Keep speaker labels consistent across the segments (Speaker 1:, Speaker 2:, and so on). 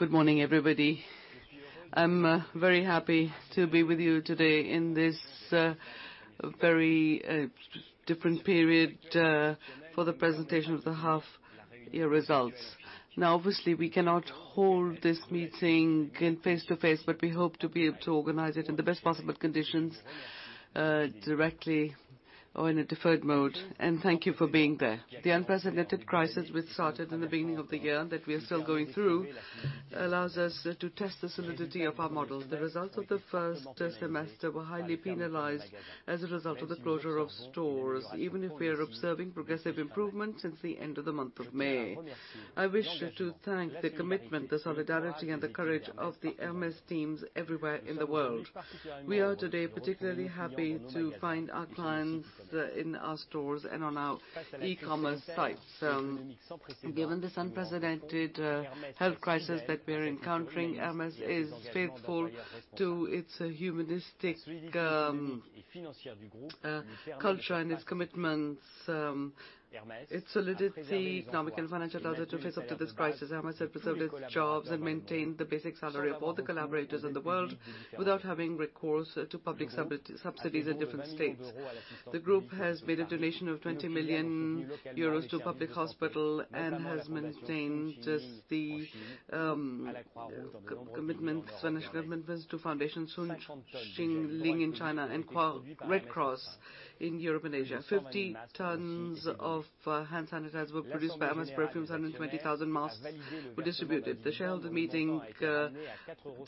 Speaker 1: Good morning, everybody. I'm very happy to be with you today in this very different period for the presentation of the half-year results. Obviously, we cannot hold this meeting face-to-face, but we hope to be able to organize it in the best possible conditions, directly or in a deferred mode. Thank you for being there. The unprecedented crisis, which started in the beginning of the year and that we are still going through, allows us to test the solidity of our model. The results of the first semester were highly penalized as a result of the closure of stores, even if we are observing progressive improvement since the end of the month of May. I wish to thank the commitment, the solidarity, and the courage of the Hermès teams everywhere in the world. We are today particularly happy to find our clients in our stores and on our e-commerce sites. Given this unprecedented health crisis that we're encountering, Hermès is faithful to its humanistic culture and its commitments. Its solidity, economic and financial, allows it to face up to this crisis. Hermès has preserved its jobs and maintained the basic salary of all the collaborators in the world without having recourse to public subsidies in different states. The group has made a donation of 20 million euros to a public hospital and has maintained its financial commitments to Soong Ching Ling Foundation in China, and Red Cross in Europe and Asia. 50 tons of hand sanitizers were produced by Hermès Parfums, 120,000 masks were distributed. The shareholder meeting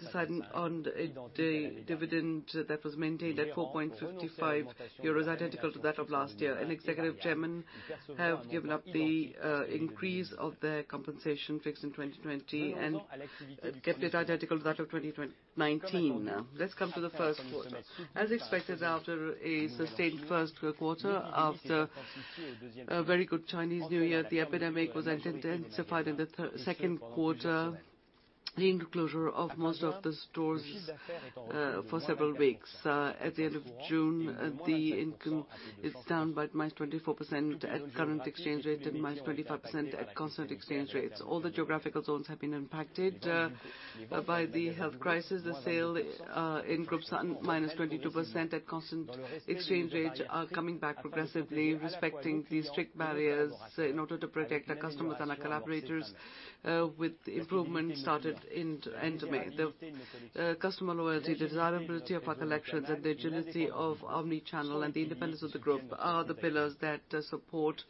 Speaker 1: decided on the dividend that was maintained at 4.55 euros, identical to that of last year. Executive chairman have given up the increase of their compensation fixed in 2020, and kept it identical to that of 2019. Now, let's come to the first quarter. As expected, after a sustained first quarter, after a very good Chinese New Year, the epidemic was intensified in the second quarter, bringing the closure of most of the stores for several weeks. At the end of June, the income is down by -24% at current exchange rate, and -25% at constant exchange rates. All the geographical zones have been impacted by the health crisis. The sales in groups are -22% at constant exchange rates are coming back progressively, respecting the strict barriers in order to protect our customers and our collaborators, with improvement started in end of May. The customer loyalty, desirability of our collections, and the agility of omni-channel, and the independence of the group are the pillars that support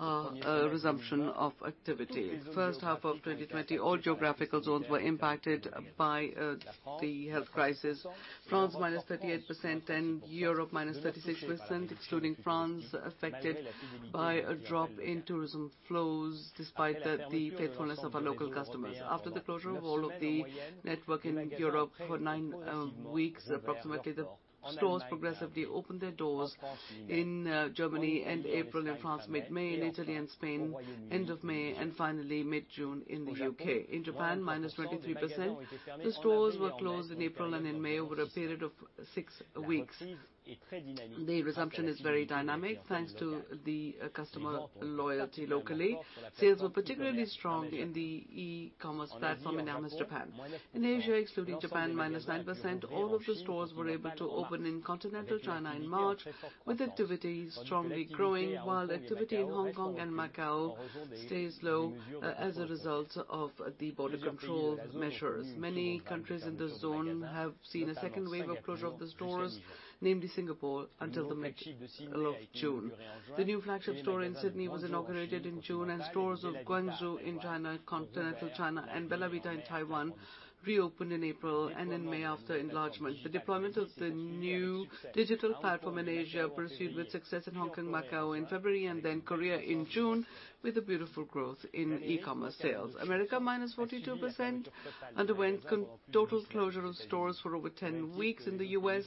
Speaker 1: a resumption of activity. First half of 2020, all geographical zones were impacted by the health crisis. France, -38%, and Europe, -36%, excluding France, affected by a drop in tourism flows, despite the faithfulness of our local customers. After the closure of all of the network in Europe for nine weeks, approximately, the stores progressively opened their doors in Germany end April, in France mid-May, in Italy and Spain end of May, and finally mid-June in the U.K. In Japan, -23%. The stores were closed in April and in May over a period of six weeks. The resumption is very dynamic, thanks to the customer loyalty locally. Sales were particularly strong in the e-commerce platform in Hermès Japan. In Asia excluding Japan, -9%, all of the stores were able to open in continental China in March, with activity strongly growing, while activity in Hong Kong and Macau stays low as a result of the border control measures. Many countries in the zone have seen a second wave of closure of the stores, namely Singapore, until the middle of June. The new flagship store in Sydney was inaugurated in June, and stores of Guangzhou in continental China, and Bellavita in Taiwan reopened in April, and in May after enlargement. The deployment of the new digital platform in Asia proceeded with success in Hong Kong, Macau in February, and then Korea in June, with a beautiful growth in e-commerce sales. AmÉrica, -42%, underwent total closure of stores for over 10 weeks in the U.S.,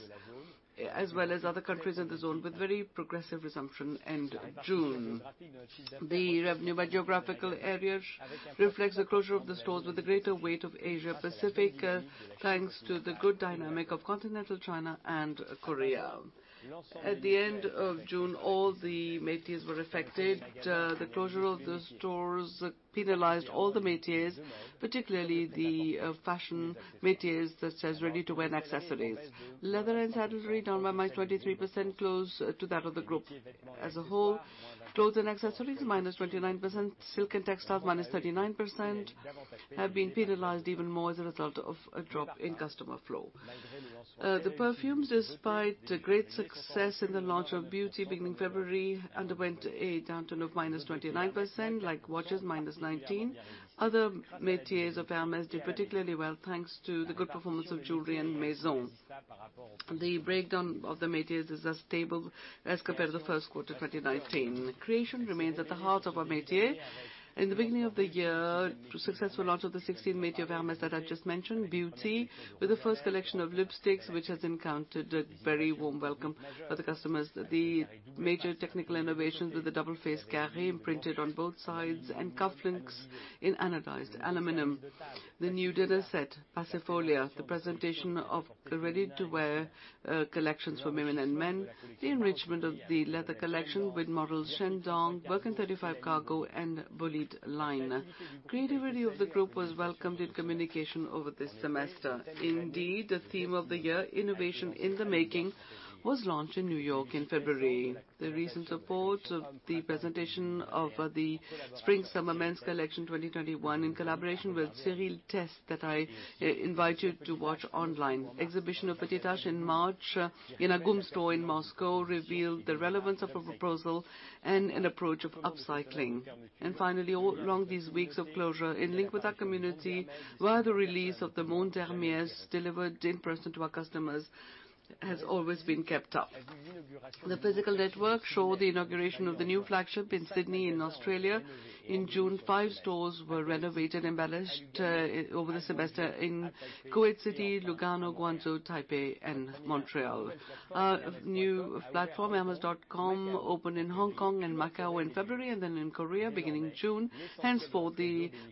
Speaker 1: as well as other countries in the zone, with very progressive resumption end June. The revenue by geographical areas reflects the closure of the stores with a greater weight of Asia Pacific, thanks to the good dynamic of continental China and Korea. At the end of June, all the métiers were affected. The closure of the stores penalized all the métiers, particularly the fashion métiers, such as ready-to-wear and accessories. Leather and saddlery, down by -23%, close to that of the group as a whole. Clothes and accessories, -29%. Silk and textiles, -39%, have been penalized even more as a result of a drop in customer flow. The perfumes, despite great success in the launch of beauty beginning February, underwent a downturn of -29%, like watches, -19%. Other métiers of Hermès did particularly well, thanks to the good performance of jewelry and maison. The breakdown of the métiers is as stable as compared to the first quarter 2019. Creation remains at the heart of our métier. In the beginning of the year, successful launch of the 16th métier of Hermès that I just mentioned, beauty, with the first collection of lipsticks, which has encountered a very warm welcome by the customers. The major technical innovations with the double-face carré imprinted on both sides, and cufflinks in anodized aluminum. The new dinner set, Passifolia. The presentation of the ready-to-wear collections for women and men. The enrichment of the leather collection with models Chengdu, Birkin 35 Cargo, and Bolide line. Creativity of the group was welcomed in communication over this semester. The theme of the year, Innovation in the Making, was launched in New York in February. The recent support of the presentation of the Spring-Summer Men's Collection 2021, in collaboration with Cyril Teste, that I invite you to watch online. Exhibition of petit h in March in a GUM store in Moscow revealed the relevance of a proposal and an approach of upcycling. Finally, all along these weeks of closure, in link with our community, via the release of the Le Monde d'Hermès, delivered in person to our customers, has always been kept up. The physical network showed the inauguration of the new flagship in Sydney, in Australia. In June, five stores were renovated, embellished over the semester in Kuwait City, Lugano, Guangzhou, Taipei, and Montreal. Our new platform, hermes.com, opened in Hong Kong and Macau in February, and then in Korea beginning June. Henceforth,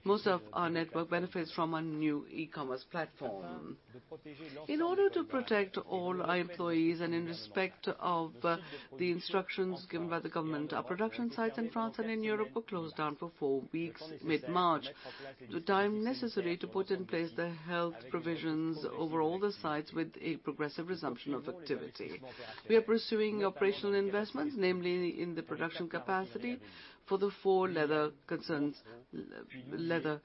Speaker 1: most of our network benefits from our new e-commerce platform. In order to protect all our employees and in respect of the instructions given by the government, our production sites in France and in Europe were closed down for four weeks mid-March, the time necessary to put in place the health provisions over all the sites with a progressive resumption of activity. We are pursuing operational investments, namely in the production capacity for the four leather concerns, leather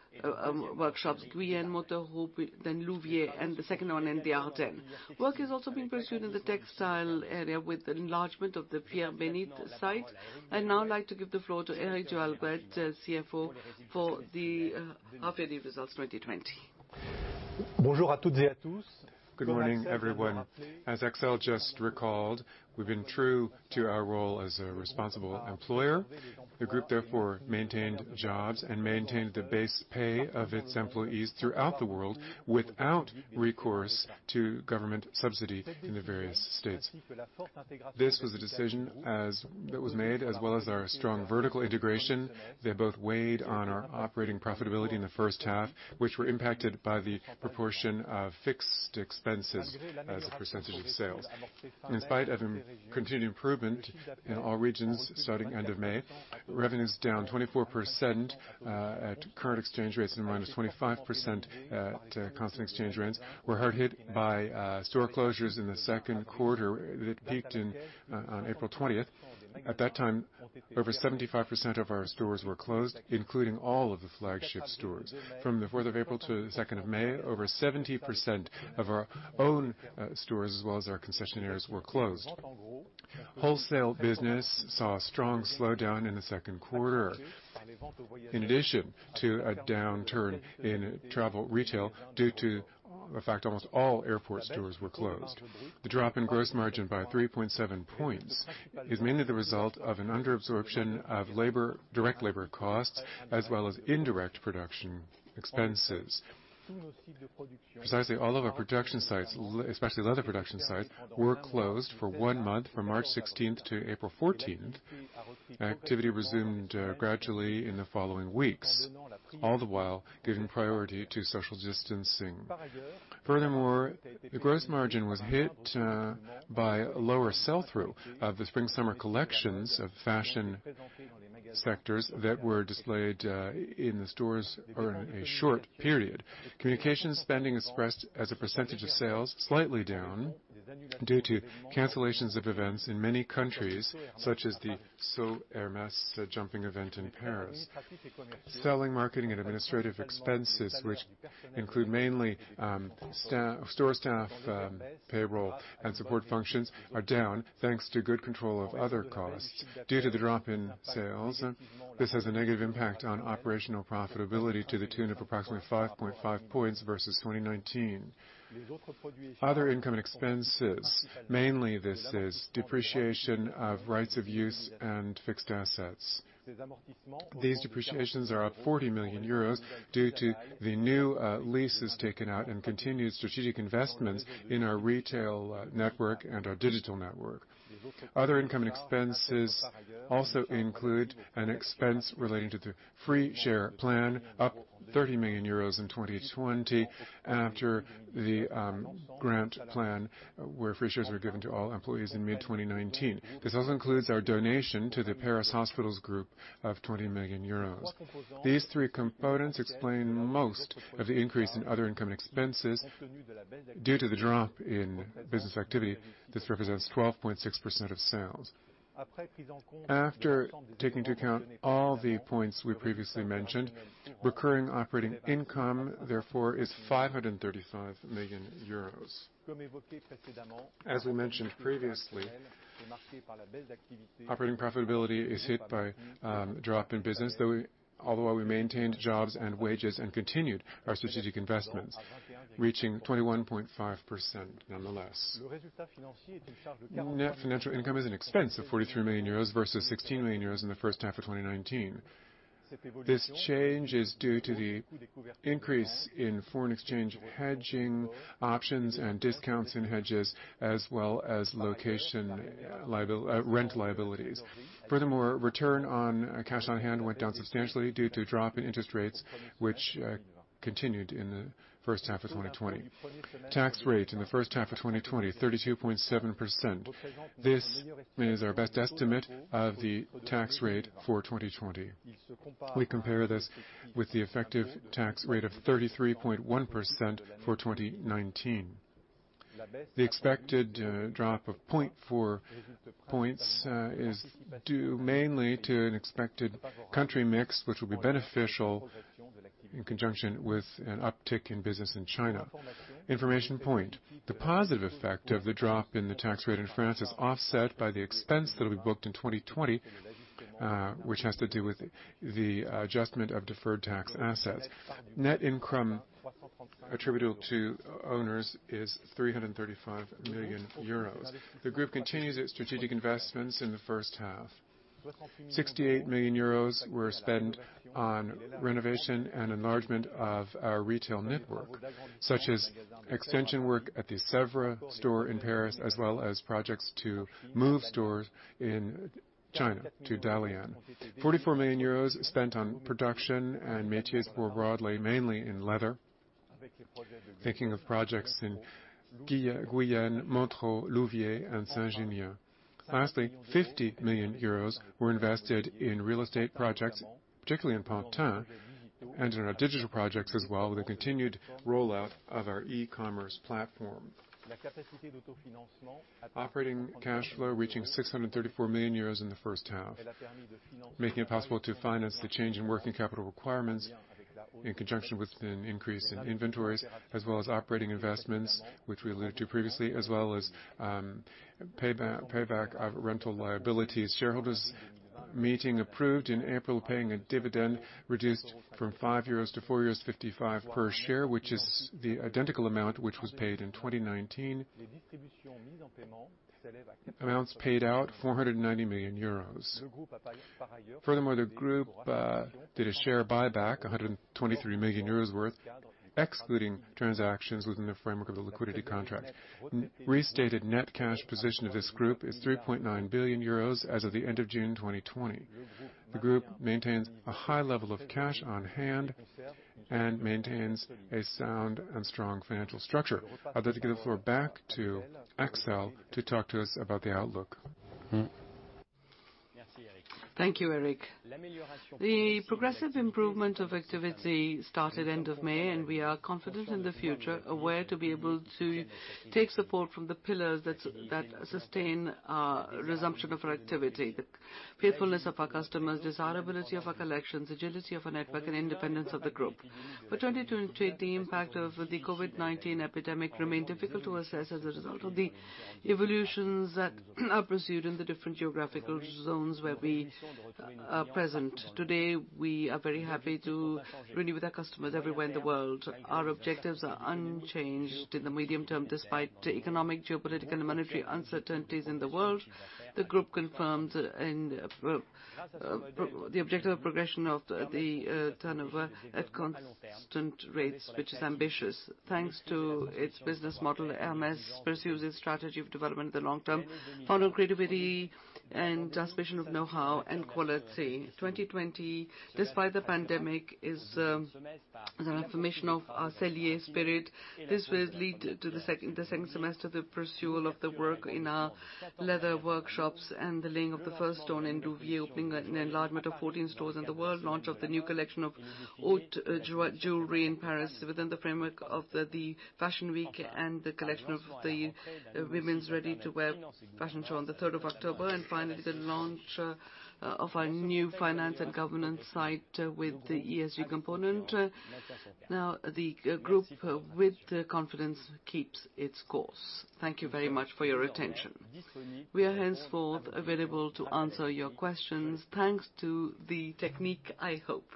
Speaker 1: workshops, Guyenne, Montereau, then Louviers, and the second one in the Ardennes. Work is also being pursued in the textile area with enlargement of the Pierre-Bénite site. I'd now like to give the floor to Éric du Halgouët, CFO for the half-yearly results 2020.
Speaker 2: Good morning, everyone. As Axel just recalled, we've been true to our role as a responsible employer. The group, therefore, maintained jobs and maintained the base pay of its employees throughout the world without recourse to government subsidy in the various states. This was a decision that was made, as well as our strong vertical integration. They both weighed on our operating profitability in the first half, which were impacted by the proportion of fixed expenses as a percentage of sales. In spite of a continued improvement in all regions starting end of May, revenues down 24% at current exchange rates, and minus 25% at constant exchange rates, were hard hit by store closures in the second quarter that peaked on April 20th. At that time, over 75% of our stores were closed, including all of the flagship stores. From the 4th of April to the 2nd of May, over 70% of our own stores, as well as our concessionaires, were closed. Wholesale business saw a strong slowdown in the second quarter. In addition to a downturn in travel retail due to the fact almost all airport stores were closed. The drop in gross margin by 3.7 points is mainly the result of an under-absorption of direct labor costs, as well as indirect production expenses. Precisely, all of our production sites, especially leather production sites, were closed for one month from March 16th to April 14th. Activity resumed gradually in the following weeks, all the while giving priority to social distancing. Furthermore, the gross margin was hit by lower sell-through of the spring-summer collections of fashion sectors that were displayed in the stores over a short period. Communication spending expressed as a percentage of sales, slightly down due to cancellations of events in many countries, such as the Saut Hermès jumping event in Paris. Selling, marketing, and administrative expenses, which include mainly store staff, payroll, and support functions, are down thanks to good control of other costs. Due to the drop in sales, this has a negative impact on operational profitability to the tune of approximately 5.5 points versus 2019. Other income expenses, mainly this is depreciation of rights of use and fixed assets. These depreciations are up 40 million euros due to the new leases taken out and continued strategic investments in our retail network and our digital network. Other income expenses also include an expense relating to the free share plan, up 30 million euros in 2020, after the grant plan where free shares were given to all employees in mid-2019. This also includes our donation to the Paris Hospitals group of 20 million euros. These three components explain most of the increase in other income expenses. Due to the drop in business activity, this represents 12.6% of sales. After taking into account all the points we previously mentioned, recurring operating income, therefore, is 535 million euros. As we mentioned previously, operating profitability is hit by a drop in business, although we maintained jobs and wages and continued our strategic investments, reaching 21.5% nonetheless. Net financial income is an expense of 43 million euros versus 16 million euros in the first half of 2019. This change is due to the increase in foreign exchange hedging options and discounts and hedges, as well as location rent liabilities. Furthermore, return on cash on hand went down substantially due to a drop in interest rates, which continued in the first half of 2020. Tax rate in the first half of 2020, 32.7%. This is our best estimate of the tax rate for 2020. We compare this with the effective tax rate of 33.1% for 2019. The expected drop of 0.4 points is due mainly to an expected country mix, which will be beneficial in conjunction with an uptick in business in China. Information point, the positive effect of the drop in the tax rate in France is offset by the expense that'll be booked in 2020, which has to do with the adjustment of deferred tax assets. Net income attributable to owners is 335 million euros. The group continues its strategic investments in the first half. 68 million euros were spent on renovation and enlargement of our retail network, such as extension work at the Sèvres store in Paris, as well as projects to move stores in China to Dalian. 44 million euros spent on production and métiers were broadly, mainly in leather. Thinking of projects in Guyenne, Montereau, Louviers, and Saint-Junien. Lastly, 50 million euros were invested in real estate projects, particularly in Pantin, and in our digital projects as well, with a continued rollout of our e-commerce platform. Operating cash flow reaching 634 million euros in the first half, making it possible to finance the change in working capital requirements in conjunction with an increase in inventories, as well as operating investments, which we alluded to previously, as well as payback of rental liabilities. Shareholders meeting approved in April, paying a dividend reduced from 5-4.55 euros per share, which is the identical amount which was paid in 2019. Amounts paid out, 490 million euros. Furthermore, the group did a share buyback, 123 million euros worth, excluding transactions within the framework of the liquidity contract. Restated net cash position of this group is 3.9 billion euros as of the end of June 2020. The group maintains a high level of cash on hand and maintains a sound and strong financial structure. I'd like to give the floor back to Axel to talk to us about the outlook.
Speaker 1: Thank you, Éric. The progressive improvement of activity started end of May, and we are confident in the future, aware to be able to take support from the pillars that sustain our resumption of our activity, the faithfulness of our customers, desirability of our collections, agility of our network, and independence of the group. For 2020, the impact of the COVID-19 epidemic remained difficult to assess as a result of the evolutions that are pursued in the different geographical zones where we are present. Today, we are very happy to renew with our customers everywhere in the world. Our objectives are unchanged in the medium term despite economic, geopolitical, and monetary uncertainties in the world. The group confirms the objective of progression of the turnover at constant rates, which is ambitious. Thanks to its business model, Hermès pursues its strategy of development in the long term, founded on creativity and transmission of knowhow and quality. 2020, despite the pandemic, is an affirmation of our sellier spirit. This will lead to the second semester, the pursual of the work in our leather workshops and the laying of the first stone in Louviers, opening an enlargement of 14 stores in the world, launch of the new collection of haute joaillerie in Paris within the framework of the Fashion Week and the collection of the women's ready-to-wear fashion show on the 3rd of October, finally, the launch of our new finance and governance site with the ESG component. Now, the group with confidence keeps its course. Thank you very much for your attention. We are henceforth available to answer your questions, thanks to the technique, I hope.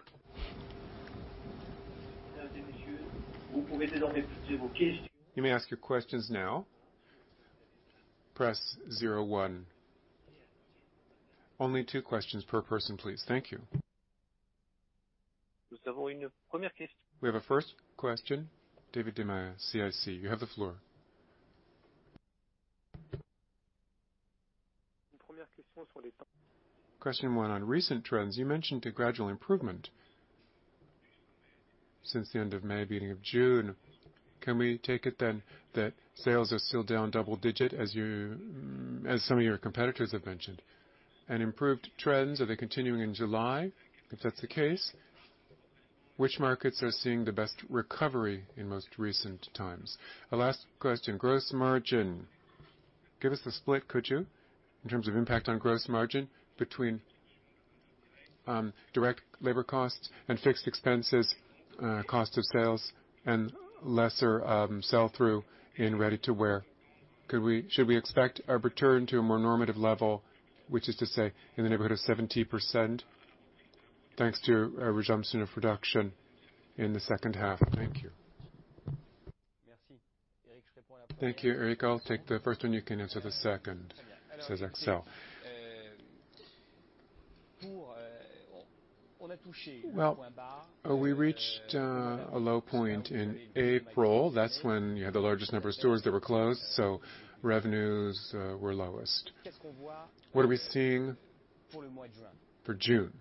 Speaker 3: You may ask your questions now. Press zero one. Only two questions per person, please. Thank you. We have a first question. David Desmarest, CIC, you have the floor.
Speaker 4: Question one on recent trends. You mentioned a gradual improvement since the end of May, beginning of June. Can we take it then that sales are still down double digit as some of your competitors have mentioned? Improved trends, are they continuing in July? If that's the case, which markets are seeing the best recovery in most recent times? A last question. Gross margin. Give us a split, could you? In terms of impact on gross margin between direct labor costs and fixed expenses, cost of sales, and lesser sell-through in ready-to-wear. Should we expect a return to a more normative level, which is to say in the neighborhood of 70%, thanks to a resumption of production in the second half? Thank you.
Speaker 1: Thank you. Éric, I'll take the first one. You can answer the second. Well, we reached a low point in April. That's when you had the largest number of stores that were closed, so revenues were lowest. What are we seeing for June?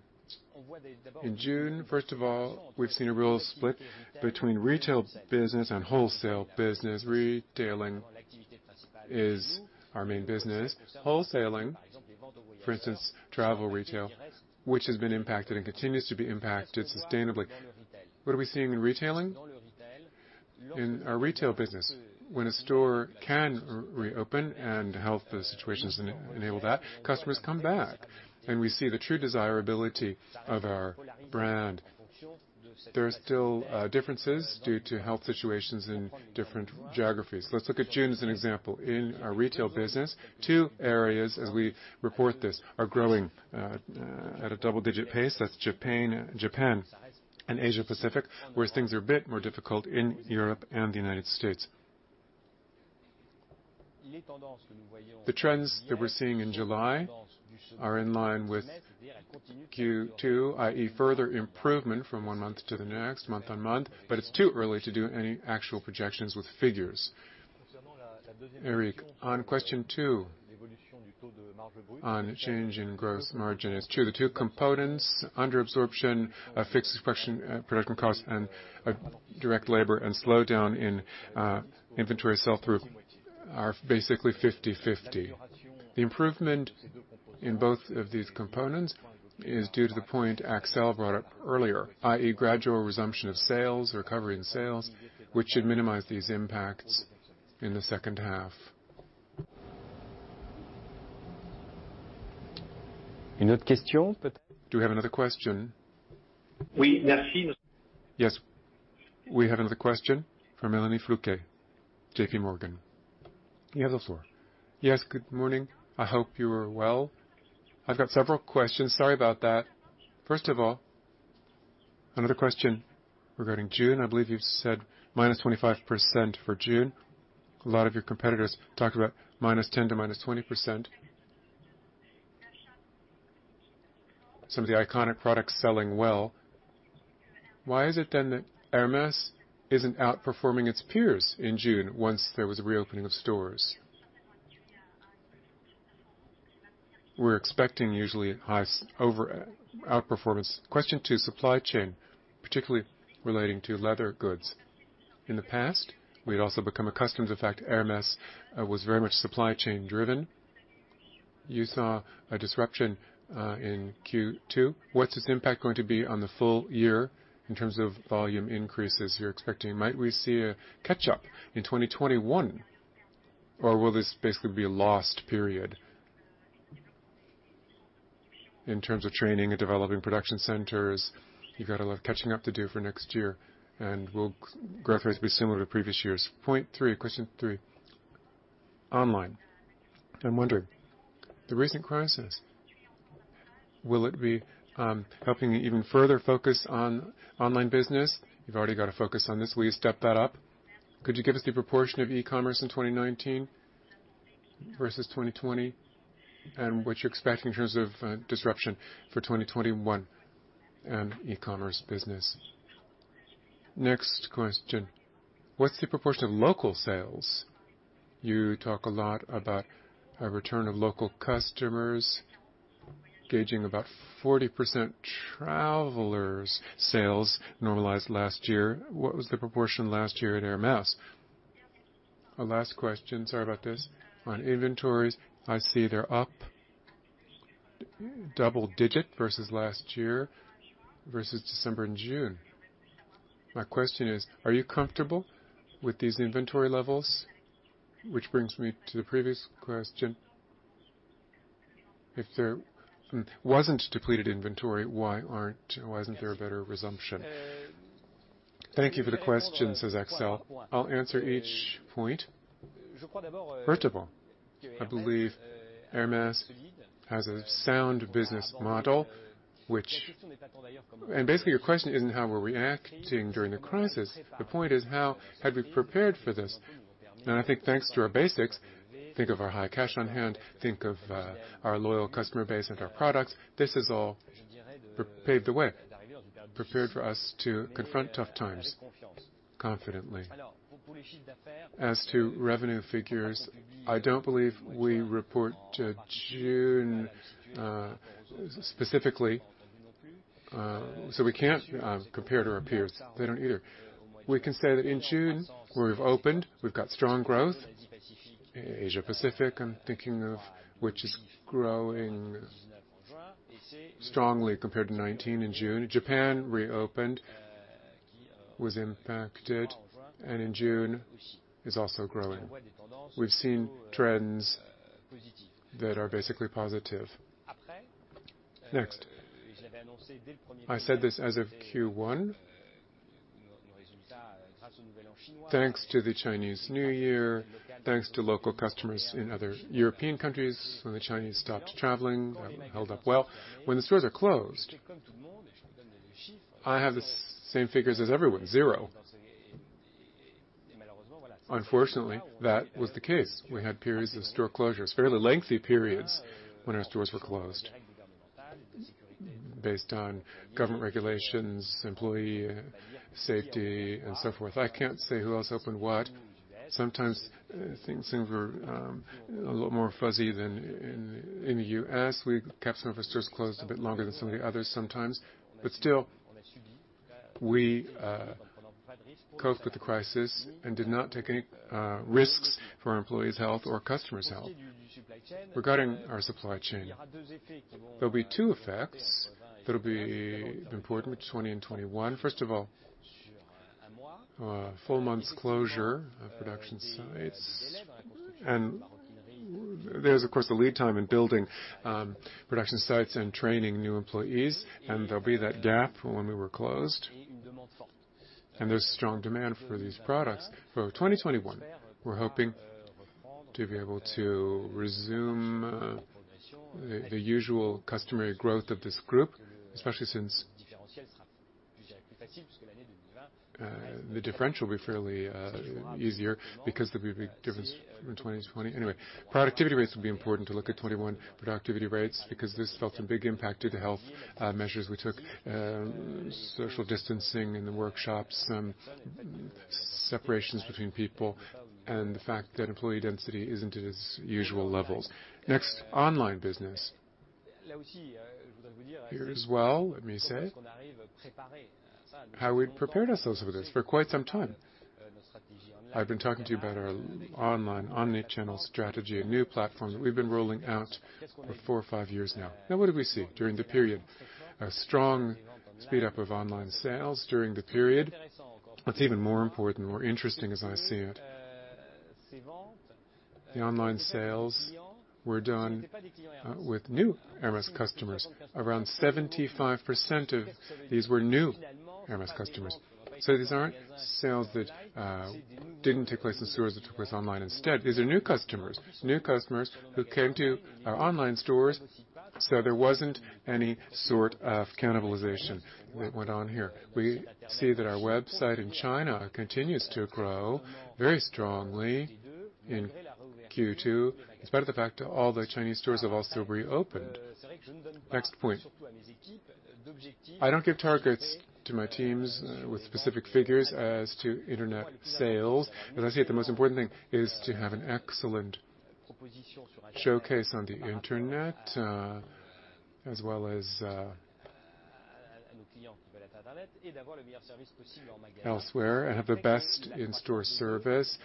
Speaker 1: In June, first of all, we've seen a real split between retail business and wholesale business. Retailing is our main business. Wholesaling, for instance, travel retail, which has been impacted and continues to be impacted sustainably. What are we seeing in retailing? In our retail business, when a store can reopen and health situations enable that, customers come back, and we see the true desirability of our brand. There are still differences due to health situations in different geographies. Let's look at June as an example. In our retail business, two areas as we report this, are growing at a double-digit pace. That's Japan and Asia Pacific, whereas things are a bit more difficult in Europe and the United States. The trends that we're seeing in July are in line with Q2, i.e., further improvement from one month to the next, month-on-month. It's too early to do any actual projections with figures.
Speaker 4: Éric, on question two, on change in gross margin, it's true, the two components, under absorption, fixed production cost and direct labor, and slowdown in inventory sell-through are basically 50/50.
Speaker 2: The improvement in both of these components is due to the point Axel brought up earlier, i.e., gradual resumption of sales, recovery in sales, which should minimize these impacts in the second half. Another question? Do we have another question?
Speaker 3: Yes. We have another question from Mélanie Flouquet, JPMorgan. You have the floor.
Speaker 5: Yes, good morning. I hope you are well. I've got several questions. Sorry about that. First of all, another question regarding June. I believe you've said minus 25% for June. A lot of your competitors talked about -10% to -20%. Some of the iconic products selling well. Why is it then that Hermès isn't outperforming its peers in June once there was a reopening of stores? We're expecting usually outperformance. Question 2, supply chain, particularly relating to leather goods. In the past, we'd also become accustomed to the fact Hermès was very much supply chain driven. You saw a disruption in Q2. What's its impact going to be on the full year in terms of volume increases you're expecting? Might we see a catch-up in 2021, or will this basically be a lost period? In terms of training and developing production centers, you've got a lot of catching up to do for next year. Will growth rates be similar to previous years? Point 3, question 3. Online. I'm wondering, the recent crisis, will it be helping you even further focus on online business? You've already got a focus on this. Will you step that up? Could you give us the proportion of e-commerce in 2019 versus 2020, and what you expect in terms of disruption for 2021 in e-commerce business? Next question. What's the proportion of local sales? You talk a lot about a return of local customers, gauging about 40% travelers sales normalized last year. What was the proportion last year at Hermès? Our last question, sorry about this, on inventories. I see they're up double digit versus last year, versus December and June. My question is, are you comfortable with these inventory levels? Which brings me to the previous question. If there wasn't depleted inventory, why isn't there a better resumption?
Speaker 1: Thank you for the questions. It's Axel. I'll answer each point. First of all, I believe Hermès has a sound business model. Basically, your question isn't how we're reacting during the crisis. The point is, how had we prepared for this? I think thanks to our basics, think of our high cash on hand, think of our loyal customer base and our products. This has all paved the way, prepared for us to confront tough times confidently. As to revenue figures, I don't believe we report June specifically. We can't compare to our peers. They don't either. We can say that in June, we've opened, we've got strong growth. Asia Pacific, I'm thinking of, which is growing strongly compared to 2019 in June. Japan reopened, was impacted, and in June, is also growing. We've seen trends that are basically positive. Next, I said this as of Q1. Thanks to the Chinese New Year, thanks to local customers in other European countries when the Chinese stopped traveling, held up well. When the stores are closed, I have the same figures as everyone, zero. Unfortunately, that was the case. We had periods of store closures, fairly lengthy periods when our stores were closed based on government regulations, employee safety, and so forth. I can't say who else opened what. Sometimes things were a lot more fuzzy than in the U.S. We kept some of our stores closed a bit longer than some of the others sometimes. Still, we coped with the crisis and did not take any risks for our employees' health or customers' health. Regarding our supply chain, there'll be two effects that'll be important with 2020 and 2021. First of all, full month's closure of production sites. There's, of course, the lead time in building production sites and training new employees, and there'll be that gap for when we were closed. There's strong demand for these products. For 2021, we're hoping to be able to resume the usual customary growth of this group, especially since the differential will be fairly easier because there will be a big difference from 2020. Anyway, productivity rates will be important to look at 2021. Productivity rates, because this felt a big impact due to health measures we took, social distancing in the workshops, separations between people, and the fact that employee density isn't at its usual levels. Next, online business. Here as well, let me say, how we prepared ourselves for this for quite some time. I've been talking to you about our online omni-channel strategy, a new platform that we've been rolling out for four or five years now. Now, what do we see during the period? We saw a strong speed up of online sales during the period. What's even more important, more interesting as I see it, the online sales were done with new Hermès customers. Around 75% of these were new Hermès customers. These aren't sales that didn't take place in stores, that took place online instead. These are new customers, new customers who came to our online stores, so there wasn't any sort of cannibalization that went on here. We see that our website in China continues to grow very strongly in Q2, in spite of the fact that all the Chinese stores have also reopened. Next point. I don't give targets to my teams with specific figures as to internet sales, because I see the most important thing is to have an excellent showcase on the internet as well as elsewhere, and have the best in-store service.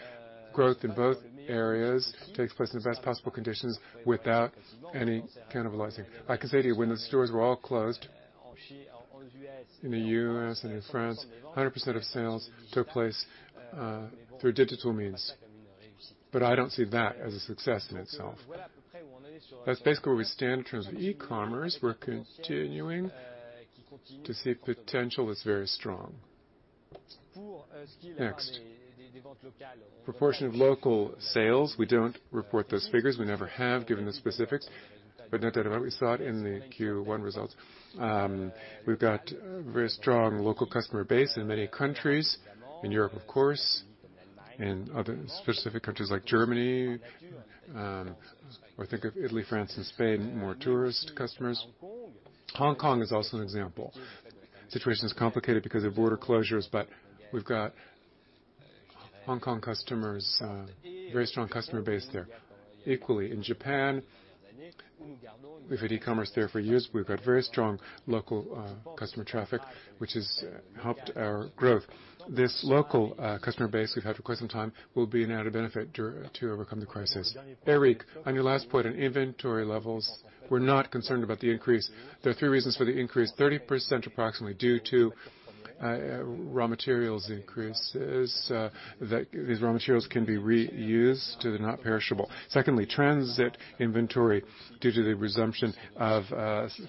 Speaker 1: Growth in both areas takes place in the best possible conditions without any cannibalizing. I can say to you, when the stores were all closed in the U.S. and in France, 100% of sales took place through digital means. I don't see that as a success in itself. That's basically where we stand in terms of e-commerce. We're continuing to see potential is very strong. Next, proportion of local sales. We don't report those figures. We never have, given the specifics. No doubt about what we saw it in the Q1 results. We've got a very strong local customer base in many countries. In Europe, of course, in other specific countries like Germany. Think of Italy, France, and Spain, more tourist customers. Hong Kong is also an example. Situation is complicated because of border closures, but we've got Hong Kong customers, very strong customer base there. Equally, in Japan, we've had e-commerce there for years. We've got very strong local customer traffic, which has helped our growth. This local customer base we've had for quite some time will be an added benefit to overcome the crisis.
Speaker 5: Éric, on your last point on inventory levels, we're not concerned about the increase. There are three reasons for the increase. 30% approximately due to raw materials increases, that these raw materials can be reused. They're not perishable. Secondly, transit inventory due to the resumption of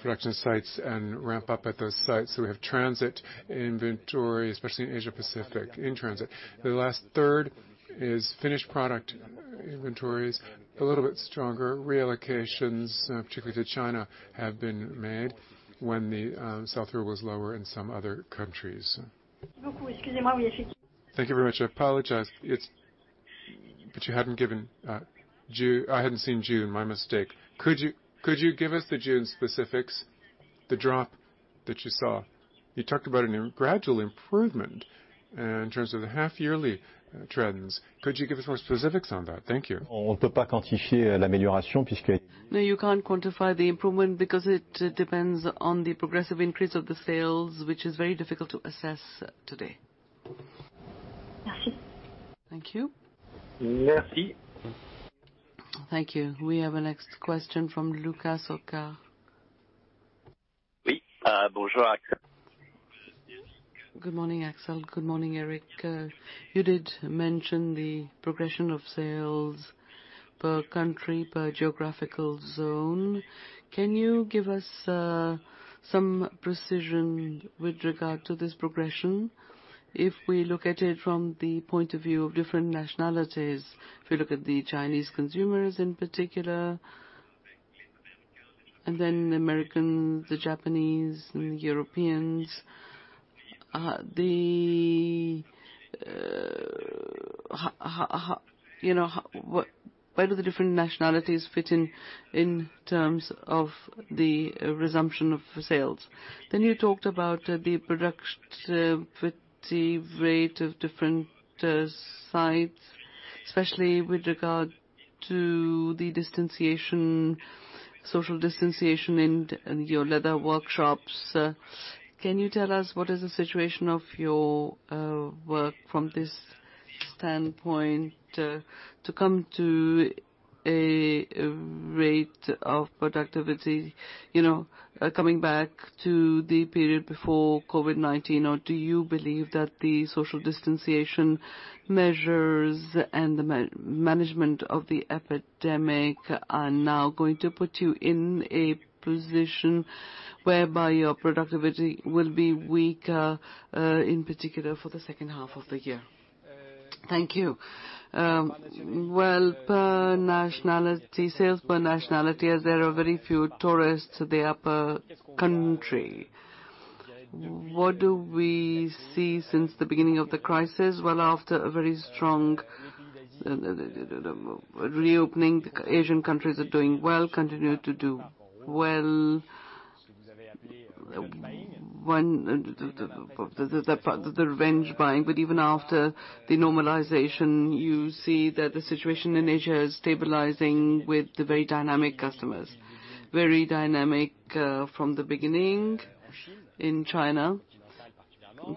Speaker 5: production sites and ramp up at those sites. We have transit inventory, especially in Asia Pacific, in transit. The last third is finished product inventories, a little bit stronger, reallocations, particularly to China, have been made when the sell-through was lower in some other countries. Thank you very much. I apologize. I hadn't seen June, my mistake. Could you give us the June specifics, the drop that you saw? You talked about a gradual improvement in terms of the half yearly trends. Could you give us more specifics on that? Thank you.
Speaker 2: No, you can't quantify the improvement because it depends on the progressive increase of the sales, which is very difficult to assess today. Thank you.
Speaker 3: Thank you. We have a next question from Luca Solca.
Speaker 6: Good morning, Axel. Good morning, Éric. You did mention the progression of sales per country, per geographical zone. Can you give us some precision with regard to this progression? If we look at it from the point of view of different nationalities, if you look at the Chinese consumers in particular, the Americans, the Japanese, and Europeans. Where do the different nationalities fit in terms of the resumption of sales? You talked about the productivity rate of different sites, especially with regard to the social distanciation in your leather workshops. Can you tell us what is the situation of your work from this standpoint to come to a rate of productivity coming back to the period before COVID-19? Do you believe that the social distancing measures and the management of the epidemic are now going to put you in a position whereby your productivity will be weaker, in particular, for the second half of the year?
Speaker 1: Thank you. Well, sales per nationality, as there are very few tourists to the upper country. What do we see since the beginning of the crisis? Well, after a very strong reopening, Asian countries are doing well, continue to do well. The revenge buying. Even after the normalization, you see that the situation in Asia is stabilizing with the very dynamic customers. Very dynamic from the beginning in China,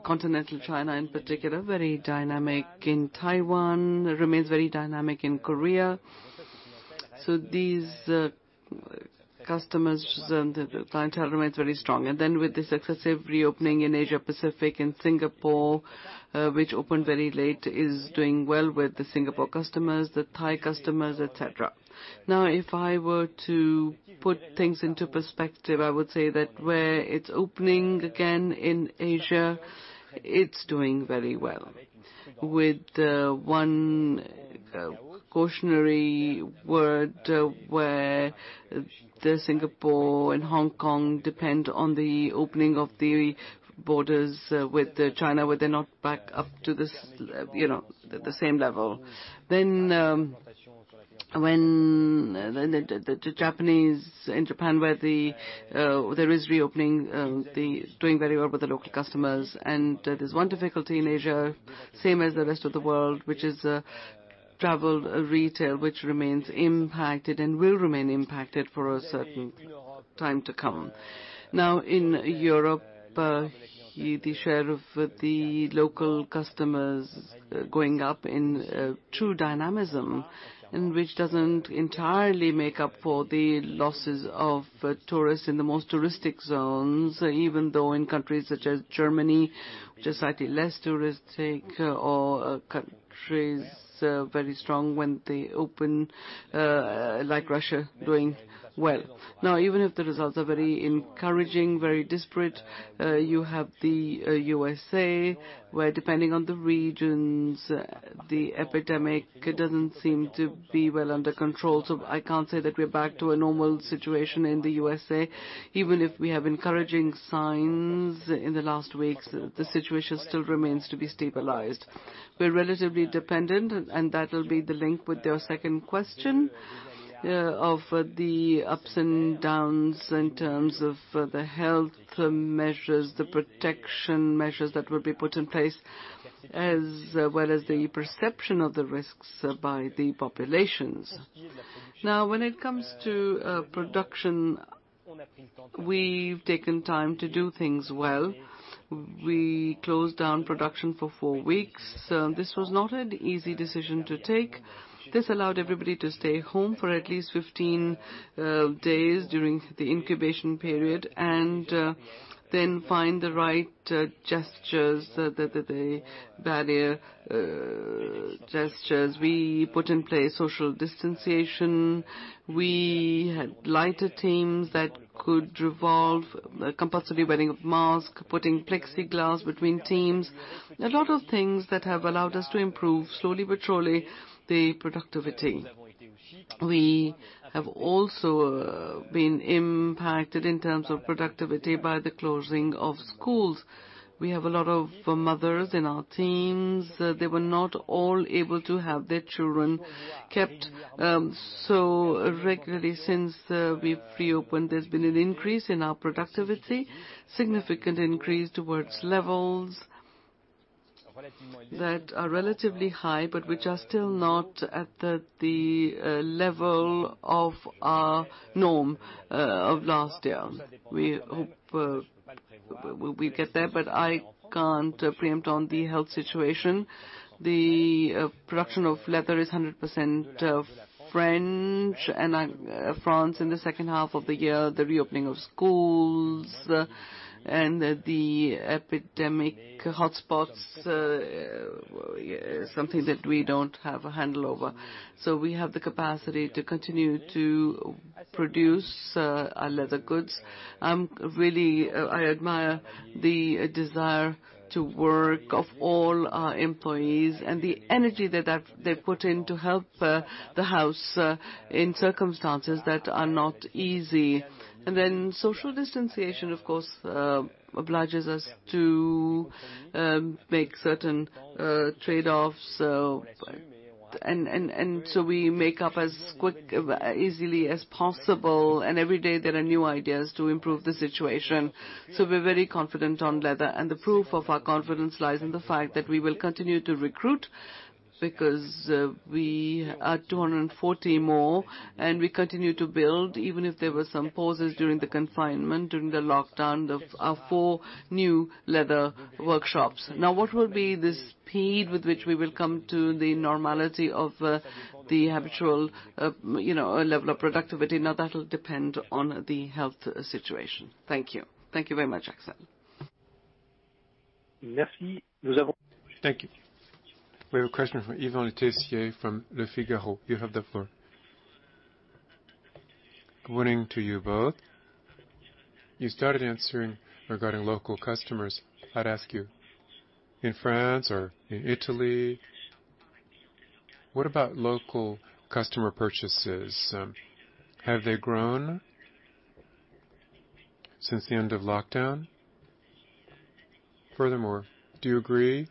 Speaker 1: continental China in particular. Very dynamic in Taiwan, remains very dynamic in Korea. These customers, the clientele remains very strong. With this successive reopening in Asia Pacific and Singapore, which opened very late, is doing well with the Singapore customers, the Thai customers, et cetera. If I were to put things into perspective, I would say that where it is opening again in Asia, it is doing very well. With one cautionary word where the Singapore and Hong Kong depend on the opening of the borders with China, where they are not back up to the same level. The Japanese in Japan, where there is reopening, doing very well with the local customers. There is one difficulty in Asia, same as the rest of the world, which is travel retail, which remains impacted and will remain impacted for a certain time to come. In Europe, the share of the local customers going up in true dynamism, which doesn't entirely make up for the losses of tourists in the most touristic zones, even though in countries such as Germany, which are slightly less touristic or countries very strong when they open, like Russia, doing well. Even if the results are very encouraging, very disparate, you have the U.S.A., where depending on the regions, the epidemic doesn't seem to be well under control. I can't say that we're back to a normal situation in the U.S.A. Even if we have encouraging signs in the last weeks, the situation still remains to be stabilized. We're relatively dependent, and that will be the link with your second question of the ups and downs in terms of the health measures, the protection measures that will be put in place, as well as the perception of the risks by the populations. Now, when it comes to production, we've taken time to do things well. We closed down production for 4 weeks. This was not an easy decision to take. This allowed everybody to stay home for at least 15 days during the incubation period, and then find the right gestures, the barrier gestures. We put in place social distanciation. We had lighter teams that could revolve, compulsory wearing of mask, putting plexiglass between teams, a lot of things that have allowed us to improve, slowly but surely, the productivity. We have also been impacted in terms of productivity by the closing of schools. We have a lot of mothers in our teams. They were not all able to have their children kept. Regularly since we've reopened, there's been an increase in our productivity, significant increase towards levels that are relatively high, but which are still not at the level of our norm of last year. We hope we get there, but I can't preempt on the health situation. The production of leather is 100% French, and France in the second half of the year, the reopening of schools and the epidemic hotspots, something that we don't have a handle over. We have the capacity to continue to produce our leather goods. Really, I admire the desire to work of all our employees and the energy that they've put in to help the house in circumstances that are not easy. Social distanciation, of course, obliges us to make certain trade-offs. We make up as easily as possible. Every day, there are new ideas to improve the situation. We're very confident on leather. The proof of our confidence lies in the fact that we will continue to recruit. We add 240 more, and we continue to build, even if there were some pauses during the confinement, during the lockdown, our four new leather workshops. What will be the speed with which we will come to the normality of the habitual level of productivity? That'll depend on the health situation. Thank you.
Speaker 6: Thank you very much, Axel.
Speaker 3: Thank you. We have a question from Ivan Letessier from Le Figaro. You have the floor.
Speaker 7: Good morning to you both. You started answering regarding local customers. I'd ask you, in France or in Italy, what about local customer purchases? Have they grown since the end of lockdown? Furthermore, do you agree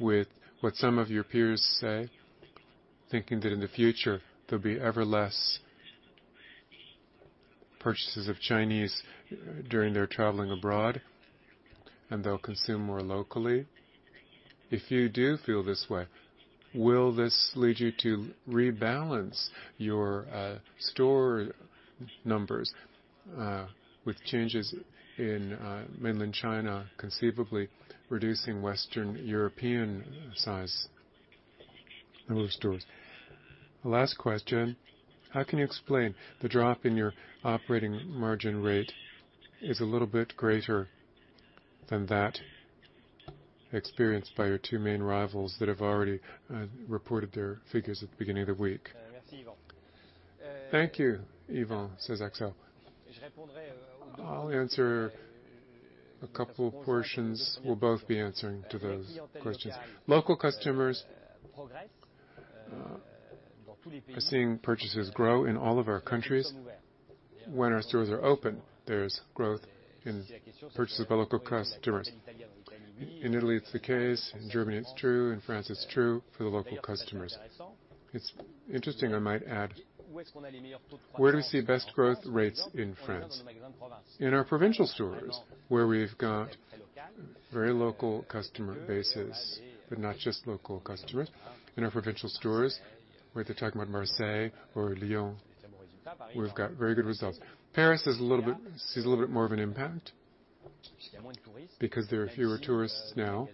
Speaker 7: with what some of your peers say, thinking that in the future there'll be ever less purchases of Chinese during their traveling abroad, and they'll consume more locally? If you do feel this way, will this lead you to rebalance your store numbers, with changes in mainland China conceivably reducing Western European size of stores? Last question, how can you explain the drop in your operating margin rate is a little bit greater than that experienced by your two main rivals that have already reported their figures at the beginning of the week?
Speaker 1: Thank you, Ivan. I'll answer a couple portions. We'll both be answering to those questions. Local customers are seeing purchases grow in all of our countries. When our stores are open, there's growth in purchases by local customers. In Italy, it's the case. In Germany, it's true. In France, it's true for the local customers. It's interesting, I might add, where do we see best growth rates in France? In our provincial stores, where we've got very local customer bases, but not just local customers. In our provincial stores, whether they're talking about Marseille or Lyon, we've got very good results. Paris sees a little bit more of an impact because there are fewer tourists now,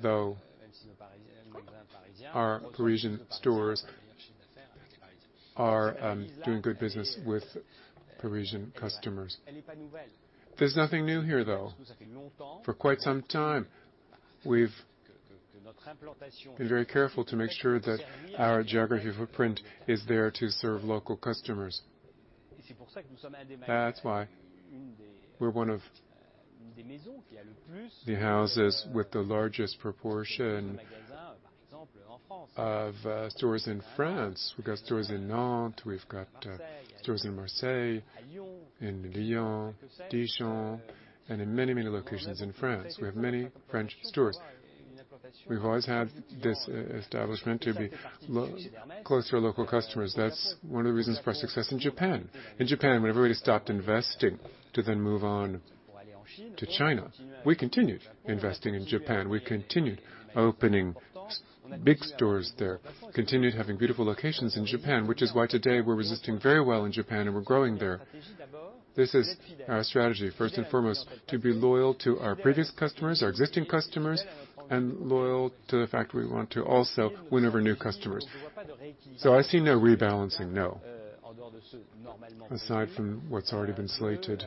Speaker 1: though our Parisian stores are doing good business with Parisian customers. There's nothing new here, though. For quite some time, we've been very careful to make sure that our geographic footprint is there to serve local customers. That's why we're one of the houses with the largest proportion of stores in France. We've got stores in Nantes, we've got stores in Marseille, in Lyon, Dijon, and in many, many locations in France. We have many French stores. We've always had this establishment to be close to our local customers. That's one of the reasons for our success in Japan. In Japan, when everybody stopped investing to then move on to China, we continued investing in Japan. We continued opening big stores there, continued having beautiful locations in Japan, which is why today we're resisting very well in Japan, and we're growing there. This is our strategy, first and foremost, to be loyal to our previous customers, our existing customers, and loyal to the fact we want to also win over new customers. I see no rebalancing, no. Aside from what's already been slated,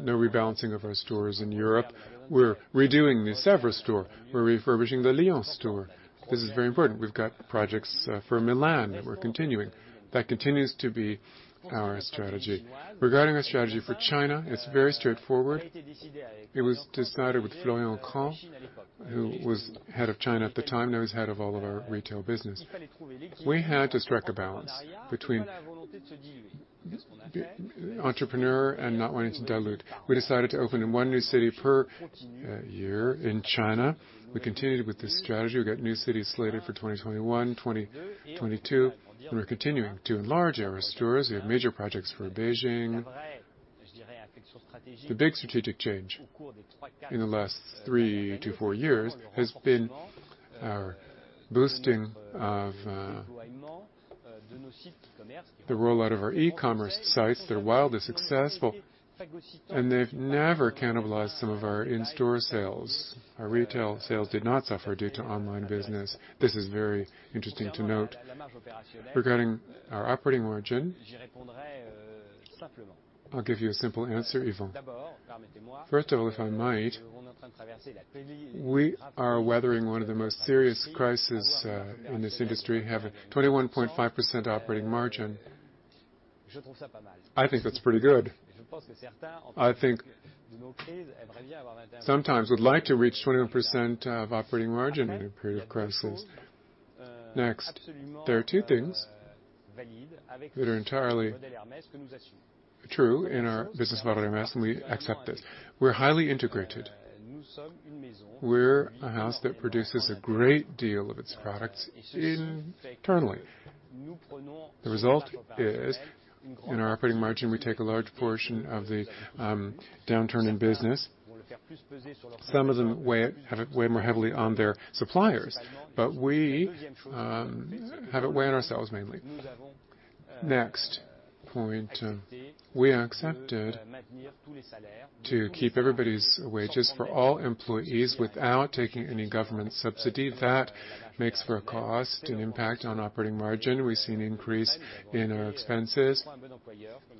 Speaker 1: no rebalancing of our stores in Europe. We're redoing the Sèvres store. We're refurbishing the Lyon store. This is very important. We've got projects for Milan. We're continuing. That continues to be our strategy. Regarding our strategy for China, it's very straightforward. It was decided with Florian Craen, who was head of China at the time, now he's head of all of our retail business. We had to strike a balance between entrepreneur and not wanting to dilute. We decided to open in one new city per year in China. We continued with this strategy. We got new cities slated for 2021, 2022. We're continuing to enlarge our stores. We have major projects for Beijing. The big strategic change in the last three to four years has been our boosting of the rollout of our e-commerce sites. They're wildly successful, and they've never cannibalized some of our in-store sales. Our retail sales did not suffer due to online business. This is very interesting to note. Regarding our operating margin, I'll give you a simple answer, Ivan. First of all, if I might, we are weathering one of the most serious crisis in this industry, have a 21.5% operating margin. I think that's pretty good. I think sometimes we'd like to reach 20% of operating margin in a period of crisis. There are two things that are entirely true in our business model at Hermès, and we accept this. We're highly integrated. We're a house that produces a great deal of its products internally. The result is, in our operating margin, we take a large portion of the downturn in business. Some of them weigh more heavily on their suppliers, but we have it weigh on ourselves mainly. Next point. We accepted to keep everybody's wages for all employees without taking any government subsidy. That makes for a cost, an impact on operating margin. We've seen increase in our expenses.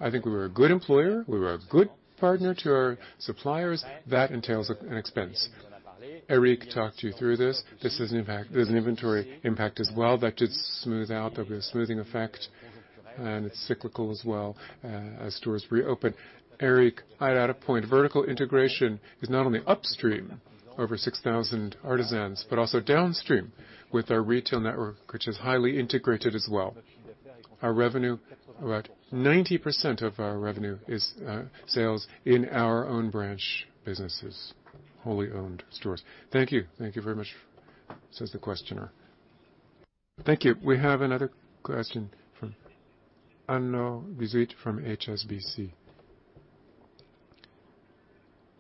Speaker 1: I think we were a good employer. We were a good partner to our suppliers. That entails an expense. Éric talked you through this. There's an inventory impact as well that did smooth out. There'll be a smoothing effect, and it's cyclical as well as stores reopen. Éric highlighted a point, vertical integration is not only upstream, over 6,000 artisans, but also downstream with our retail network, which is highly integrated as well. About 90% of our revenue is sales in our own branch businesses, wholly owned stores.
Speaker 7: Thank you. Thank you very much.
Speaker 3: Thank you. We have another question from Arnaud Visot from HSBC.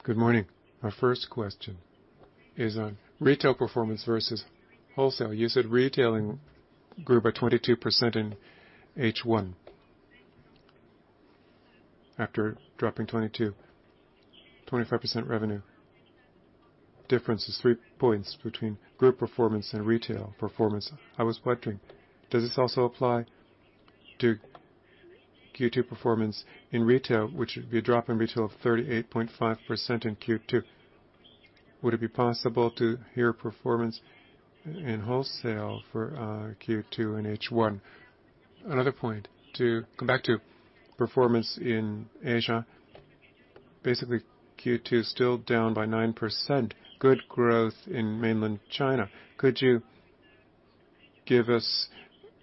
Speaker 8: Good morning. Our first question is on retail performance versus wholesale. You said retailing grew by 22% in H1 after dropping 25% revenue. Difference is three points between group performance and retail performance. I was wondering, does this also apply to Q2 performance in retail, which would be a drop in retail of 38.5% in Q2? Would it be possible to hear performance in wholesale for Q2 and H1? Another point, to come back to performance in Asia. Basically, Q2 still down by 9%. Good growth in mainland China. Could you give us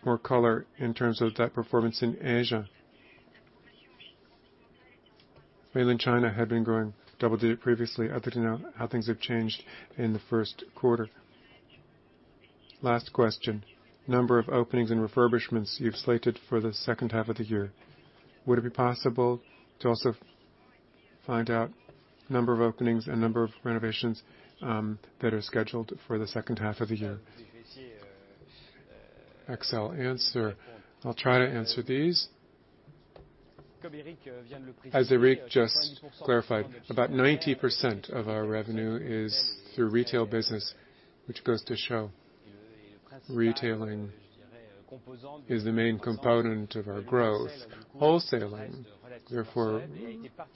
Speaker 8: more color in terms of that performance in Asia? Mainland China had been growing double digit previously. I'd like to know how things have changed in the first quarter. Last question, number of openings and refurbishments you've slated for the second half of the year. Would it be possible to also find out number of openings and number of renovations that are scheduled for the second half of the year?
Speaker 1: Axel answer. I'll try to answer these. As Éric just clarified, about 90% of our revenue is through retail business, which goes to show retailing is the main component of our growth. Wholesaling, therefore,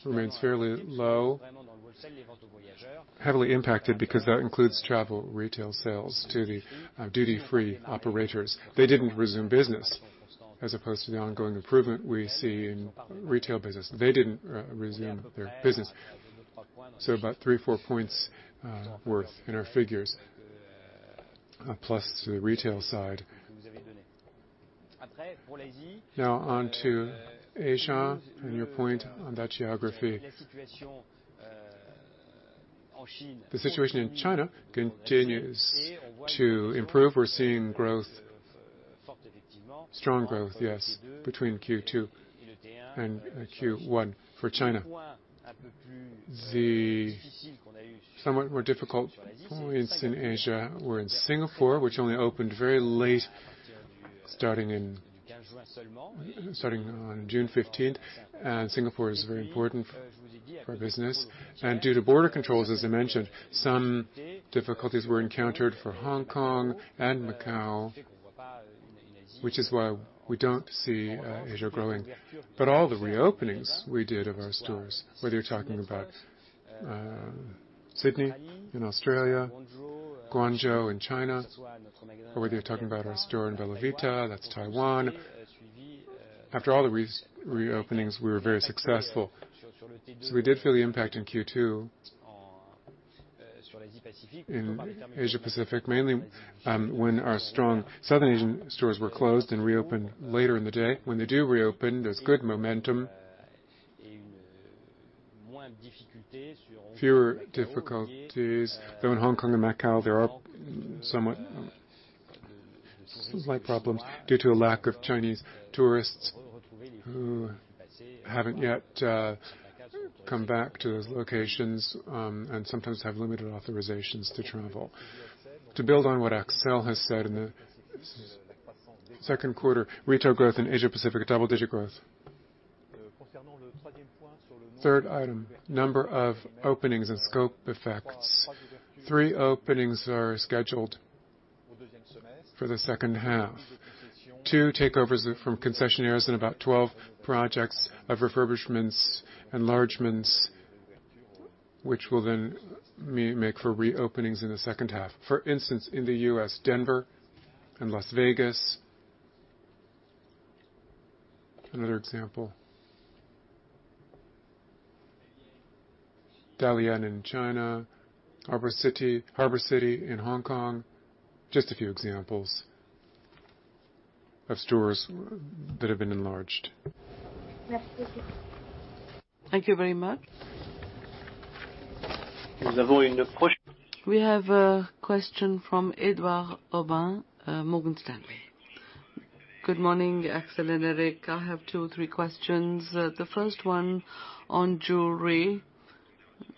Speaker 1: remains fairly low, heavily impacted because that includes travel retail sales to the duty-free operators. They didn't resume business as opposed to the ongoing improvement we see in retail business. They didn't resume their business, so about three or four points worth in our figures, plus to the retail side. Now on to Asia and your point on that geography. The situation in China continues to improve. We're seeing strong growth, yes, between Q2 and Q1 for China. The somewhat more difficult points in Asia were in Singapore, which only opened very late, starting on June 15th. Singapore is very important for our business. Due to border controls, as I mentioned, some difficulties were encountered for Hong Kong and Macau, which is why we don't see Asia growing. All the reopenings we did of our stores, whether you're talking about Sydney in Australia, Guangzhou in China, or whether you're talking about our store in Bellavita, that's Taiwan.
Speaker 2: After all the reopenings, we were very successful. We did feel the impact in Q2 in Asia Pacific, mainly when our strong Southern Asian stores were closed and reopened later in the day. When they do reopen, there's good momentum, fewer difficulties, though in Hong Kong and Macau, there are somewhat slight problems due to a lack of Chinese tourists who haven't yet come back to those locations and sometimes have limited authorizations to travel. To build on what Axel has said, in the second quarter, retail growth in Asia Pacific, a double-digit growth. Third item, number of openings and scope effects. Three openings are scheduled for the second half. Two takeovers from concessionaires and about 12 projects of refurbishments, enlargements, which will then make for reopenings in the second half. For instance, in the U.S., Denver and Las Vegas. Another example, Dalian in China, Harbour City in Hong Kong. Just a few examples of stores that have been enlarged.
Speaker 3: Thank you very much. We have a question from Edouard Aubin, Morgan Stanley.
Speaker 9: Good morning, Axel and Éric. I have two or three questions. The first one on jewelry,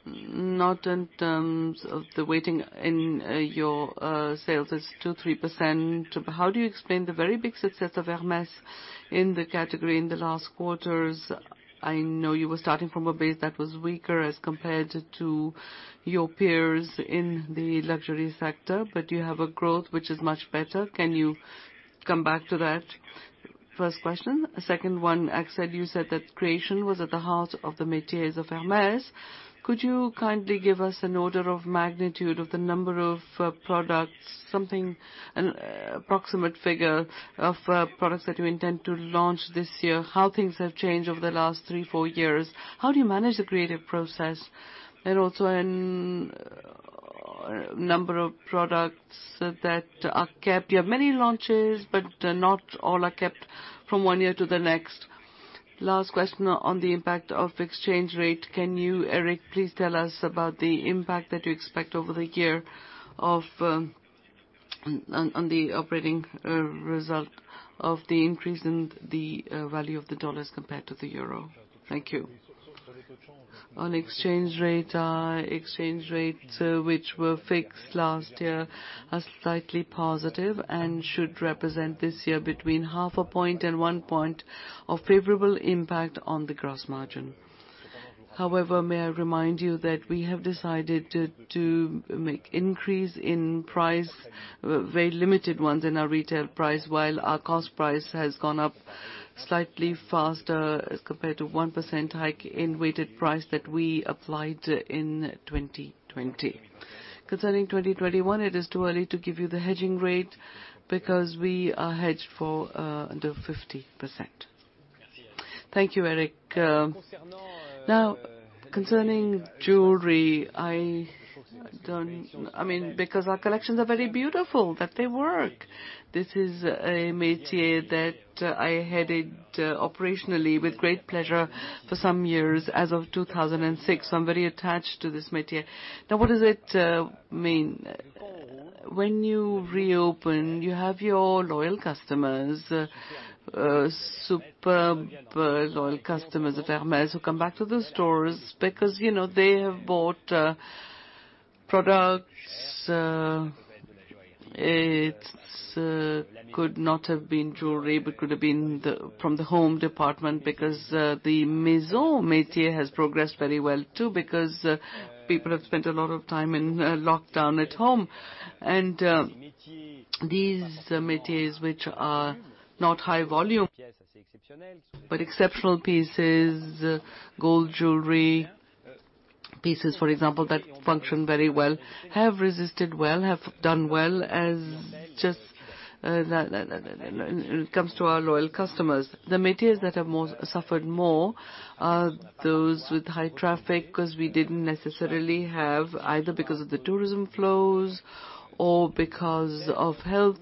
Speaker 9: not in terms of the weighting in your sales. It's 2%, 3%. How do you explain the very big success of Hermès in the category in the last quarters? I know you were starting from a base that was weaker as compared to your peers in the luxury sector, but you have a growth which is much better. Can you come back to that? First question. Second one, Axel, you said that creation was at the heart of the métiers of Hermès. Could you kindly give us an order of magnitude of the number of products, an approximate figure of products that you intend to launch this year? How things have changed over the last three, four years? How do you manage the creative process? Also a number of products that are kept. You have many launches, but not all are kept from one year to the next. Last question on the impact of exchange rate. Can you, Éric, please tell us about the impact that you expect over the year on the operating result of the increase in the value of the U.S. dollar compared to the euro? Thank you.
Speaker 2: On exchange rate, exchange rates which were fixed last year are slightly positive and should represent this year between half a point and one point of favorable impact on the gross margin. However, may I remind you that we have decided to make increase in price, very limited ones in our retail price, while our cost price has gone up slightly faster as compared to 1% hike in weighted price that we applied in 2020. Concerning 2021, it is too early to give you the hedging rate because we are hedged for under 50%.
Speaker 1: Thank you, Éric. Concerning jewelry, because our collections are very beautiful, that they work. This is a métier that I headed operationally with great pleasure for some years as of 2006. I'm very attached to this métier. What does it mean? When you reopen, you have your loyal customers, superb loyal customers at Hermès, who come back to the stores because they have bought products. It could not have been jewelry, but could have been from the home department because the maison métier has progressed very well, too, because people have spent a lot of time in lockdown at home. These métiers, which are not high volume, but exceptional pieces, gold jewelry pieces, for example, that function very well, have resisted well, have done well as just when it comes to our loyal customers. The métiers that have suffered more are those with high traffic because we didn't necessarily have, either because of the tourism flows or because of health